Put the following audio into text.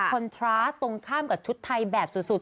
อนทราตรงข้ามกับชุดไทยแบบสุด